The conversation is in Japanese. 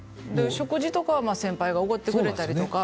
食事とかは先輩がおごってくれたりとか。